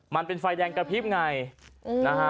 มันเป็นไฟแดงกระพริบไงนะฮะ